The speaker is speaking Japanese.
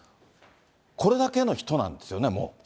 これだけの人なんですよね、もう。